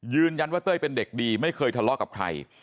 ยืนยันว่าเต้ยเป็นเด็กดีไม่เคยทะเลาะกับใคร